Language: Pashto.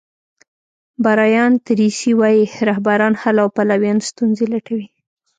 برایان تریسي وایي رهبران حل او پلویان ستونزې لټوي.